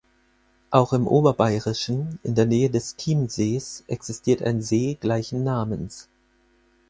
Auch im Oberbayerischen, in der Nähe des Chiemsees, existiert ein See gleichen Namens.